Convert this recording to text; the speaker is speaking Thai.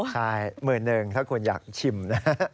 ใช่หมื่นหนึ่งถ้าคุณอยากชิมนะฮะ